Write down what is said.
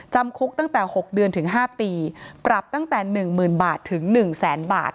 จำคุกตั้งแต่๖เดือนถึง๕ปีปรับตั้งแต่๑๐๐๐บาทถึง๑แสนบาท